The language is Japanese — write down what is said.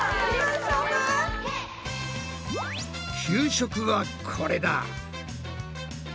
給食はこれだ！